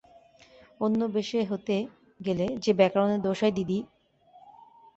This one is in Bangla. অন্য বেশে হতে গেলে যে ব্যাকরণের দোষ হয় দিদি!